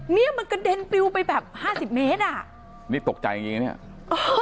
เนี้ยมันกระเด็นปิวไปแบบห้าสิบเมตรอ่ะนี่ตกใจอย่างงี้เนี้ยเออ